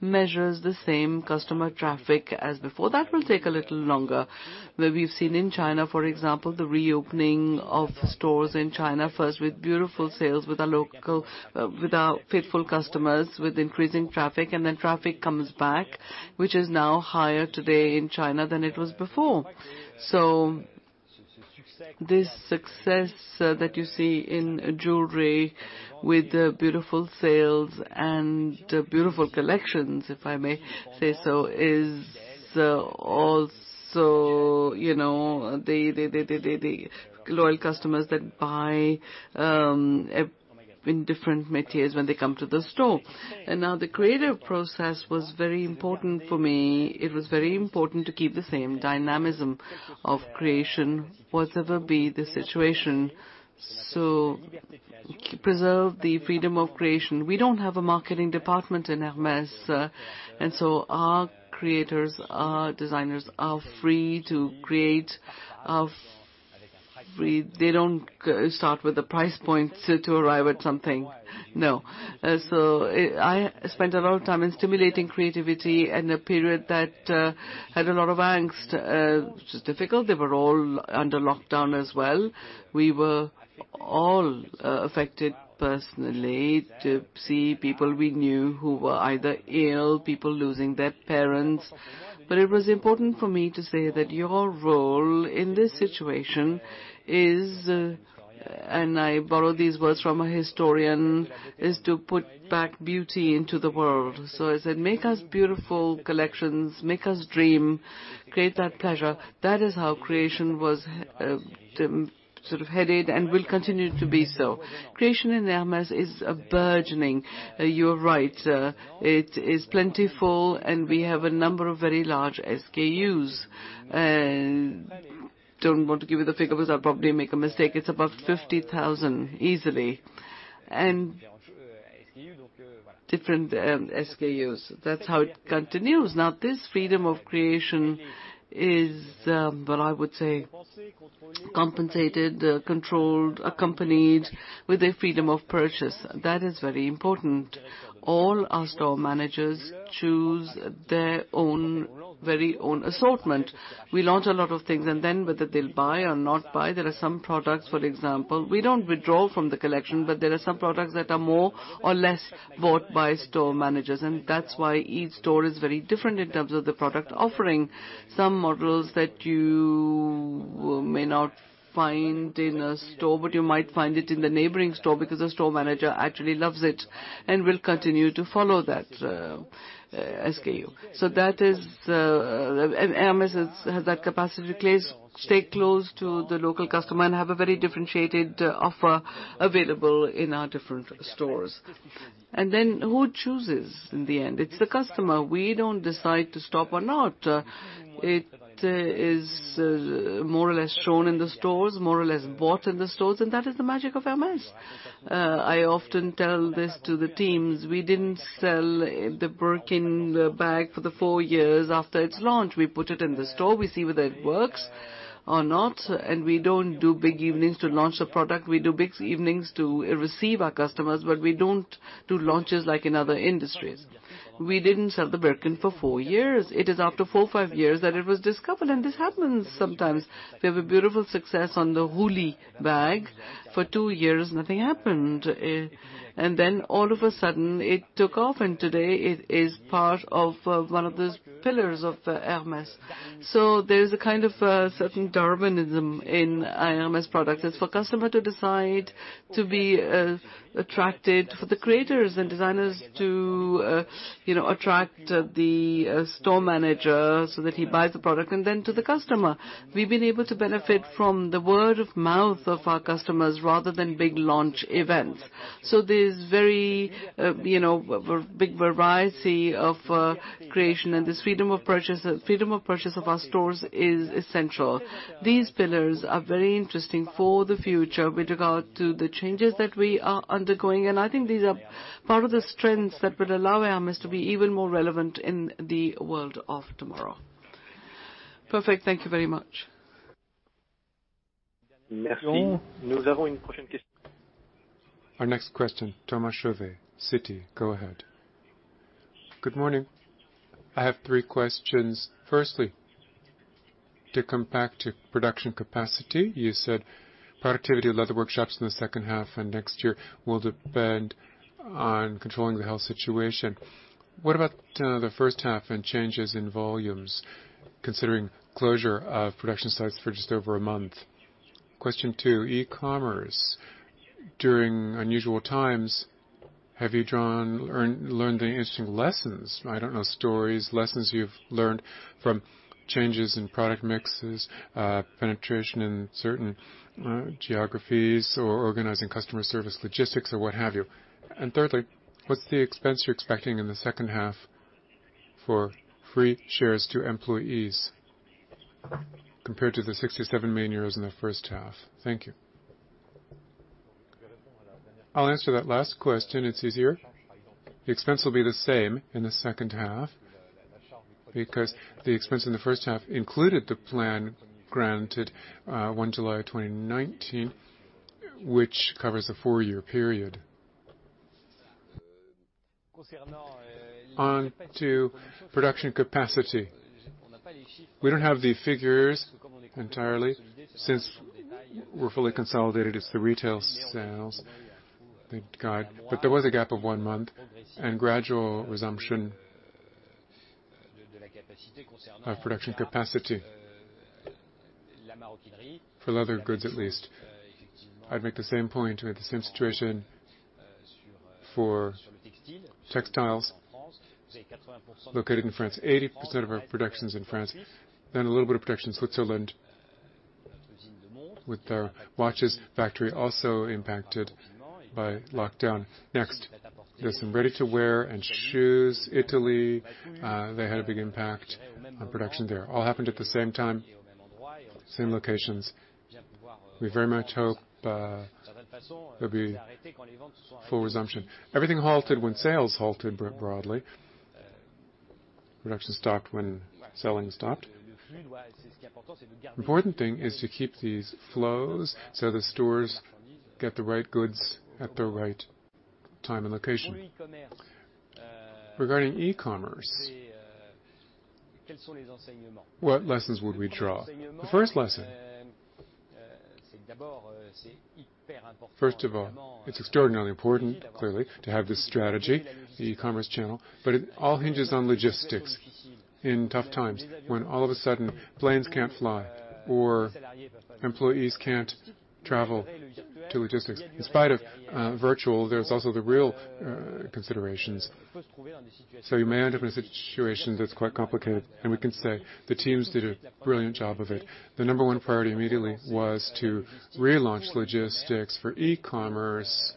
Speaker 1: measures, the same customer traffic as before. That will take a little longer. Where we've seen in China, for example, the reopening of stores in China, first with beautiful sales with our faithful customers, with increasing traffic, and then traffic comes back, which is now higher today in China than it was before. This success that you see in jewelry with beautiful sales and beautiful collections, if I may say so, is also the loyal customers that buy in different métiers when they come to the store. Now the creative process was very important for me. It was very important to keep the same dynamism of creation, whatever be the situation. Preserve the freedom of creation. We don't have a marketing department in Hermès, and so our creators, our designers are free to create. They don't start with the price point to arrive at something. No. I spent a lot of time in stimulating creativity in a period that had a lot of angst, which was difficult. They were all under lockdown as well. We were all affected personally to see people we knew who were either ill, people losing their parents. It was important for me to say that your role in this situation is, and I borrow these words from a historian, is to put back beauty into the world. I said, "Make us beautiful collections, make us dream, create that pleasure." That is how creation was sort of headed and will continue to be so. Creation in Hermès is burgeoning. You are right. It is plentiful, and we have a number of very large SKUs. Don't want to give you the figure because I'll probably make a mistake. It's above 50,000 easily. Different SKUs. That's how it continues. This freedom of creation is what I would say, compensated, controlled, accompanied with a freedom of purchase. That is very important. All our store managers choose their very own assortment. We launch a lot of things, and then whether they'll buy or not buy, there are some products, for example, we don't withdraw from the collection, but there are some products that are more or less bought by store managers. That's why each store is very different in terms of the product offering. Some models that you may not find in a store, but you might find it in the neighboring store because the store manager actually loves it and will continue to follow that SKU. Hermès has that capacity to stay close to the local customer and have a very differentiated offer available in our different stores. Then who chooses in the end? It's the customer. We don't decide to stop or not. It is more or less shown in the stores, more or less bought in the stores, and that is the magic of Hermès. I often tell this to the teams, we didn't sell the Birkin bag for the four years after its launch. We put it in the store. We see whether it works or not. We don't do big evenings to launch a product. We do big evenings to receive our customers. We don't do launches like in other industries. We didn't sell the Birkin for four years. It is after four or five years that it was discovered, and this happens sometimes. We have a beautiful success on the Roulis bag. For two years, nothing happened. All of a sudden, it took off, and today it is part of one of the pillars of Hermès. There's a kind of certain Darwinism in Hermès product. It's for customer to decide to be attracted, for the creators and designers to attract the store manager so that he buys the product, and then to the customer. We've been able to benefit from the word of mouth of our customers rather than big launch events. There's very big variety of creation, and this freedom of purchase of our stores is essential. These pillars are very interesting for the future with regard to the changes that we are undergoing, and I think these are part of the strengths that will allow Hermès to be even more relevant in the world of tomorrow.
Speaker 9: Perfect. Thank you very much.
Speaker 3: Our next question, Thomas Chauvet, Citi. Go ahead.
Speaker 10: Good morning. I have three questions. Firstly, to come back to production capacity, you said productivity leather workshops in the second half and next year will depend on controlling the health situation. What about the first half and changes in volumes considering closure of production sites for just over a month? Question two, e-commerce. During unusual times, have you learned any interesting lessons? I don't know, stories, lessons you've learned from changes in product mixes, penetration in certain geographies, or organizing customer service logistics or what have you. Thirdly, what's the expense you're expecting in the second half for free shares to employees compared to the 67 million euros in the first half? Thank you.
Speaker 2: I'll answer that last question. It's easier. The expense will be the same in the second half because the expense in the first half included the plan granted one July 2019, which covers a four-year period. On to production capacity. We don't have the figures entirely since we're fully consolidated. It's the retail sales, thank God. There was a gap of one month and gradual resumption of production capacity for leather goods, at least. I'd make the same point. We had the same situation for textiles located in France. 80% of our production's in France, then a little bit of production in Switzerland with our watches factory also impacted by lockdown. Next, there's some ready-to-wear and shoes, Italy, they had a big impact on production there. All happened at the same time, same locations. We very much hope there'll be full resumption. Everything halted when sales halted broadly. Production stopped when selling stopped. Important thing is to keep these flows so the stores get the right goods at the right time and location.
Speaker 1: Regarding e-commerce, what lessons would we draw? The first lesson, first of all, it's extraordinarily important, clearly, to have this strategy, the e-commerce channel, but it all hinges on logistics in tough times when all of a sudden, planes can't fly or employees can't travel to logistics. In spite of virtual, there's also the real considerations. You may end up in a situation that's quite complicated, and we can say the teams did a brilliant job of it. The number one priority immediately was to relaunch logistics for e-commerce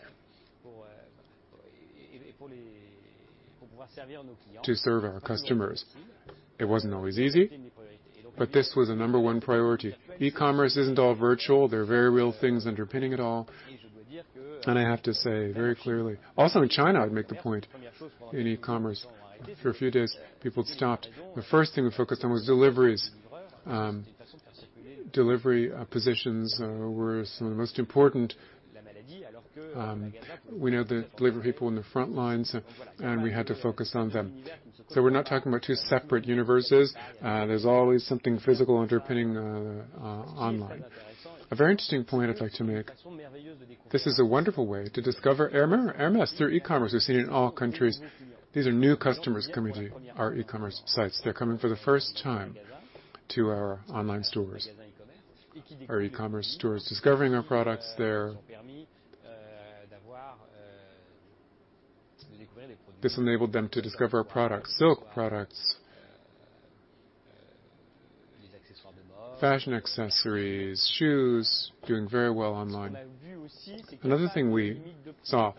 Speaker 1: to serve our customers. It wasn't always easy, but this was a number one priority. e-commerce isn't all virtual. There are very real things underpinning it all. I have to say very clearly, also in China, I would make the point, in e-commerce, for a few days, people stopped. The first thing we focused on was deliveries. Delivery positions were some of the most important. We know the delivery people in the front lines, and we had to focus on them. We're not talking about two separate universes. There's always something physical underpinning online. A very interesting point I'd like to make, this is a wonderful way to discover Hermès through e-commerce. We've seen it in all countries. These are new customers coming to our e-commerce sites. They're coming for the first time to our online stores, our e-commerce stores, discovering our products there. This enabled them to discover our products, silk products, fashion accessories, shoes, doing very well online. Another thing we saw,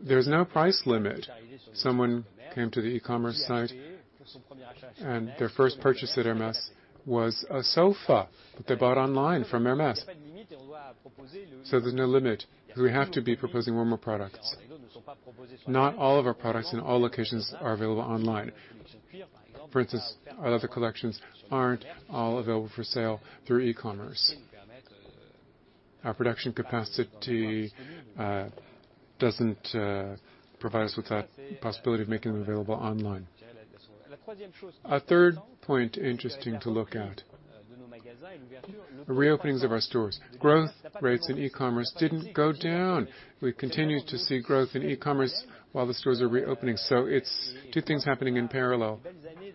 Speaker 1: there's no price limit. Someone came to the e-commerce site, and their first purchase at Hermès was a sofa that they bought online from Hermès. There's no limit. We have to be proposing more products. Not all of our products in all locations are available online. For instance, our leather collections aren't all available for sale through e-commerce. Our production capacity doesn't provide us with that possibility of making them available online. A third point interesting to look at, the reopenings of our stores. Growth rates in e-commerce didn't go down. We continued to see growth in e-commerce while the stores are reopening. It's two things happening in parallel.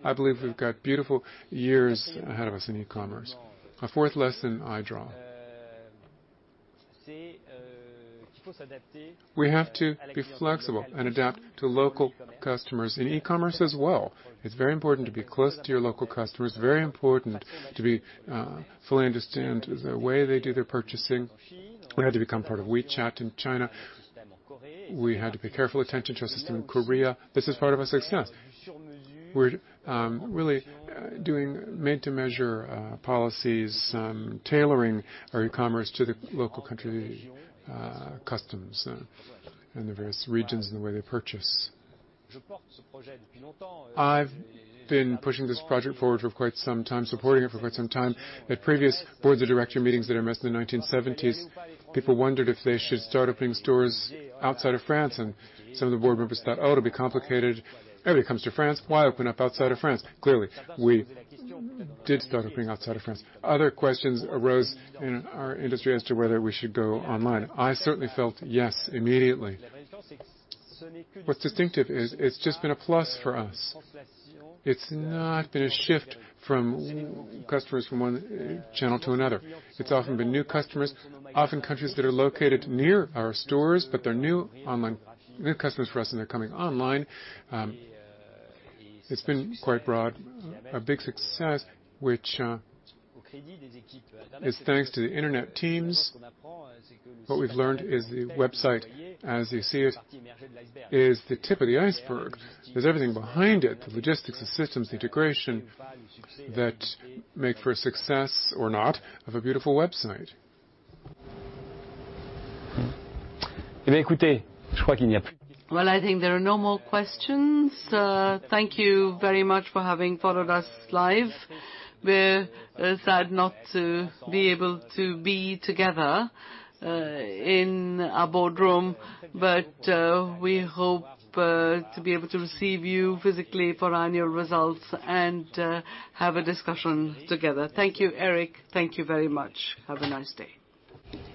Speaker 1: I believe we've got beautiful years ahead of us in e-commerce. A fourth lesson I draw, we have to be flexible and adapt to local customers in e-commerce as well. It's very important to be close to your local customers. Very important to fully understand the way they do their purchasing. We had to become part of WeChat in China. We had to pay careful attention to our system in Korea. This is part of our success. We're really doing made-to-measure policies, tailoring our e-commerce to the local country customs and the various regions and the way they purchase. I've been pushing this project forward for quite some time, supporting it for quite some time. At previous boards of director meetings at Hermès in the 1970s, people wondered if they should start opening stores outside of France, and some of the board members thought, "Oh, it'll be complicated. Everybody comes to France. Why open up outside of France?" Clearly, we did start opening outside of France. Other questions arose in our industry as to whether we should go online. I certainly felt "Yes," immediately. What's distinctive is it's just been a plus for us. It's not been a shift from customers from one channel to another. It's often been new customers, often countries that are located near our stores, but they're new customers for us, and they're coming online. It's been quite broad, a big success, which is thanks to the internet teams. What we've learned is the website, as you see it, is the tip of the iceberg. There's everything behind it, the logistics, the systems, the integration, that make for a success or not of a beautiful website. Well, I think there are no more questions. Thank you very much for having followed us live. We're sad not to be able to be together in a boardroom, we hope to be able to receive you physically for our annual results and have a discussion together. Thank you, Éric. Thank you very much. Have a nice day.